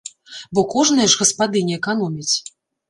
Бо кожная ж гаспадыня эканоміць.